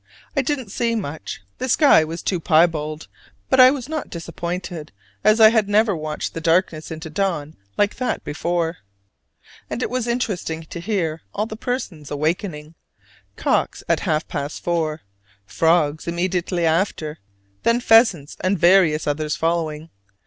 I didn't see much, the sky was too piebald: but I was not disappointed, as I had never watched the darkness into dawn like that before: and it was interesting to hear all the persons awaking: cocks at half past four, frogs immediately after, then pheasants and various others following.